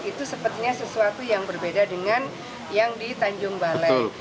itu sepertinya sesuatu yang berbeda dengan yang di tanjung balai